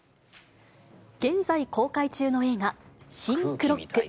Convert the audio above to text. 現在公開中の映画、シン・クロック。